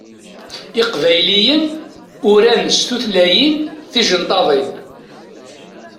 Iqbayliyen uran s tutlayin tijenṭaḍin.